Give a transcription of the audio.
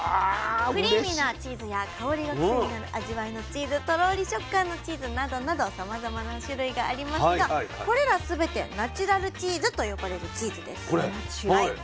クリーミーなチーズや香りが癖になる味わいのチーズトロリ食感のチーズなどなどさまざまな種類がありますがこれら全て「ナチュラルチーズ」と呼ばれるチーズです。